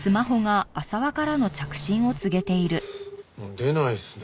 出ないですね。